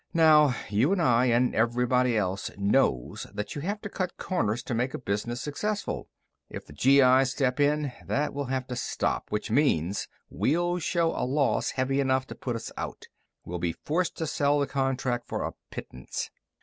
Now, you and I and everybody else knows that you have to cut corners to make a business successful. If the GI's step in, that will have to stop which means we'll show a loss heavy enough to put us out. We'll be forced to sell the contract for a pittance.